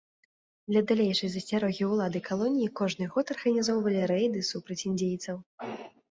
Для далейшай засцярогі ўлады калоніі кожны год арганізоўвалі рэйды супраць індзейцаў.